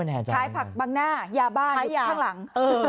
ขายผักบังหน้ายาบ้านข้างหลัง